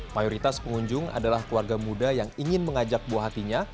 mayoritas pengunjung adalah keluarga muda yang ingin mengajak buah hatinya